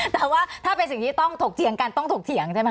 แต่ว่าถ้าเป็นสิ่งที่ต้องถกเถียงกันต้องถกเถียงใช่ไหมค